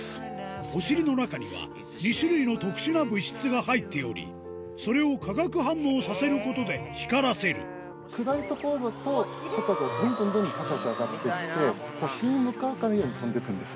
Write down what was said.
お尻の中には２種類の特殊な物質が入っておりそれを化学反応させることで光らせる暗い所だとホタルはどんどんどんどん高く上がってって星に向かうかのように飛んでいくんです。